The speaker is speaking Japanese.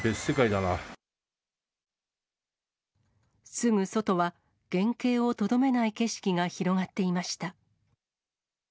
すぐ外は原形をとどめない景色が広がっていました。